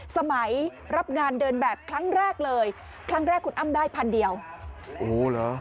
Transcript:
สำหรับงานเดินแบบครั้งแรกเลยครั้งแรกคุณอ้ำได้พันเดียวโอ้เหรอ